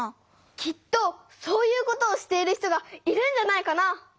きっとそういうことをしている人がいるんじゃないかな？